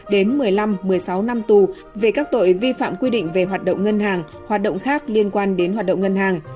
đến một mươi năm một mươi sáu năm tù về các tội vi phạm quy định về hoạt động ngân hàng hoạt động khác liên quan đến hoạt động ngân hàng